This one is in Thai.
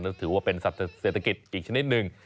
แล้วถือว่าเป็นสัตว์เศรษฐกิจอีกชนิดหนึ่ง